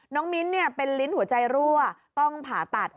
น้องมิ้นเนี่ยเป็นลิ้นหัวใจรั่วต้องผ่าตัด